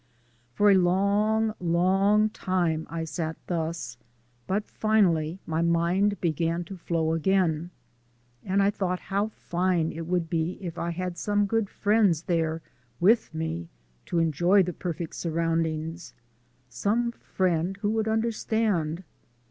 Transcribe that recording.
For a long, long time I sat thus, but finally my mind began to flow again, and I thought how fine it would be if I had some good friend there with me to enjoy the perfect surroundings some friend who would understand.